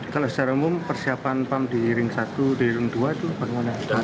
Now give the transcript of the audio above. kalau secara umum persiapan pam di ring satu di ring dua itu bagaimana